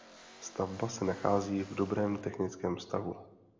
Stavba se nachází v dobrém technickém stavu.